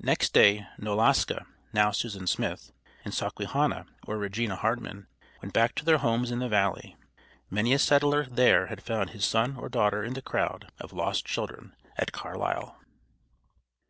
Next day Knoloska, now Susan Smith, and Sawquehanna, or Regina Hartman, went back to their homes in the valley. Many a settler there had found his son or daughter in the crowd of lost children at Carlisle.